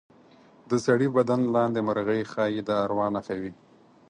د سړي بدن لاندې مرغۍ ښایي د اروا نښه وي.